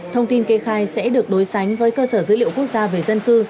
thông tin kê khai sẽ được đối sánh với cơ sở dữ liệu quốc gia về dân cư